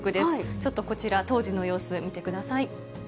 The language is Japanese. ちょっとこちら、当時の様子、見てください。